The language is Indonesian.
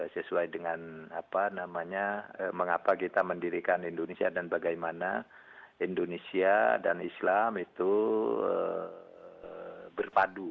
sesuai dengan apa namanya mengapa kita mendirikan indonesia dan bagaimana indonesia dan islam itu berpadu